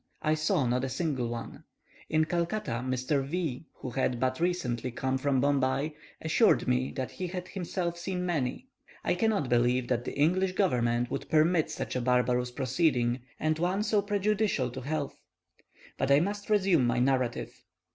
I saw not a single one. In Calcutta, Mr. V , who had but recently come from Bombay, assured me that he had himself seen many. I cannot believe that the English government would permit such a barbarous proceeding, and one so prejudicial to health. But I must resume my narrative.